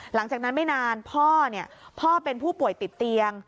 หลังจากนั้นไม่นานพ่อพ่อเป็นผู้ป่วยติดเตียง